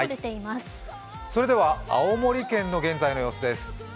それでは青森県の現在の様子です。